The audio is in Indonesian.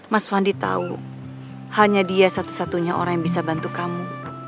mas wandi tahu hanya dia satu satunya orang yang bisa bantu kamu